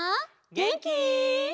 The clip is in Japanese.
げんき？